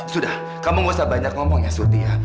sudah kamu gak usah banyak ngomong ya surti